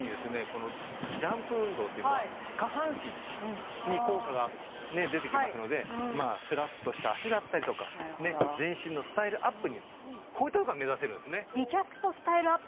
このジャンプ運動っていうのは下半身に効果がね出てきますのですらっとした脚だったりとか全身のスタイルアップにこういったとこが目指せるんですねでもさ